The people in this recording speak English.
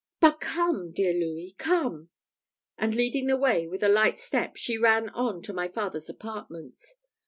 But come, dear Louis, come!" and leading the way, with a light step she ran on to my father's apartments.